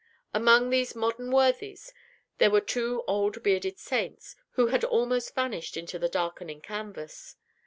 Among these modern worthies, there were two old bearded Saints, who had almost vanished into the darkening canvas.